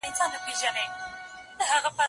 دې دوستی ته خو هیڅ لاره نه جوړیږي